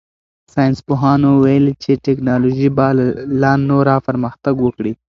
ساینس پوهانو ویلي چې تکنالوژي به لا نوره پرمختګ وکړي.